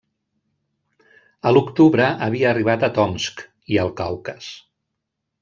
A l'octubre, havia arribat a Tomsk i el Caucas.